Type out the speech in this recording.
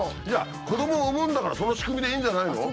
子どもを産むんだからその仕組みでいいんじゃないの？